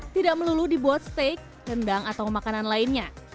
tidak melulu dibuat steak rendang atau makanan lainnya